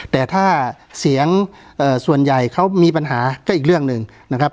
แต่ถ้าเสียงส่วนใหญ่เขามีปัญหาก็อีกเรื่องหนึ่งนะครับ